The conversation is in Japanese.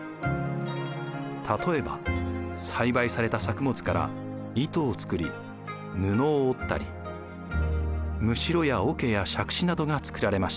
例えば栽培された作物から糸を作り布を織ったりむしろやおけやしゃくしなどが作られました。